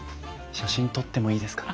写真撮ってもいいですか？